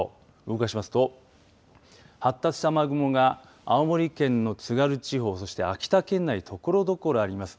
動かしますと発達した雨雲が青森県の津軽地方とした秋田県内ところどころあります。